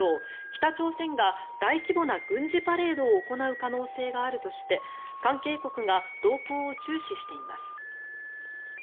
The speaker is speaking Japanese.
北朝鮮が大規模な軍事パレードを行う可能性があるとして関係国が動向を注視しています。